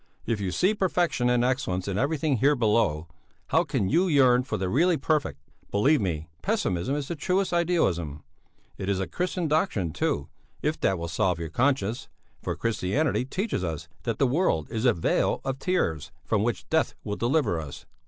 If you see perfection and excellence in everything here below, how can you yearn for the really perfect? Believe me, pessimism is the truest idealism! It is a Christian doctrine too, if that will salve your conscience, for Christianity teaches us that the world is a vale of tears from which death will deliver us!"